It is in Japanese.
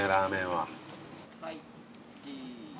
はいチーズ。